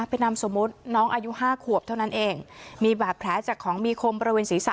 เป็นนามสมมุติน้องอายุห้าขวบเท่านั้นเองมีบาดแผลจากของมีคมบริเวณศีรษะ